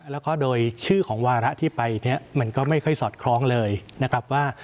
แล้วก็โดยชื่อของวาระที่ไปเนี่ยมันก็ไม่ค่อยสอดคล้องเลยนะครับว่า